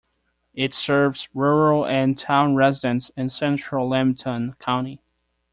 It serves rural and town residents in central Lambton County.